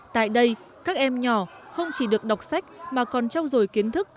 tại đây các em nhỏ không chỉ được đọc sách mà còn trông rồi kiến thức